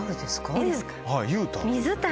いいですか？